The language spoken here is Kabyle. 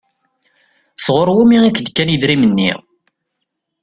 Sɣur wumi i k-d-kan idrimen-nni?